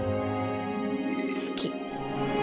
好き。